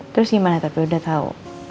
terus gimana tapi udah tau